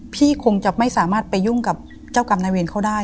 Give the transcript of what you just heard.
คงจะไม่สามารถไปยุ่งกับเจ้ากรรมนายเวรเขาได้